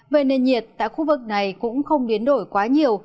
về nền nhiệt tại khu vực này cũng không biến đổi quá nhiều